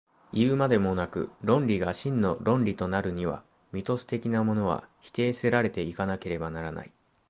いうまでもなく、論理が真の論理となるには、ミトス的なものは否定せられて行かなければならない。